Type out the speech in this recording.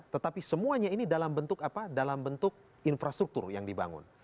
tetapi semuanya ini dalam bentuk infrastruktur yang dibangun